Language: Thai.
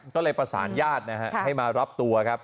ก็เลยประสานญาตินะฮะให้มารับตัวครับ